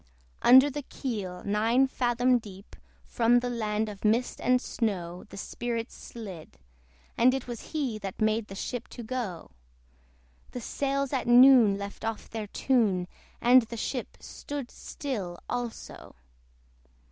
Under the keel nine fathom deep, From the land of mist and snow, The spirit slid: and it was he That made the ship to go. The sails at noon left off their tune, And the ship stood still also.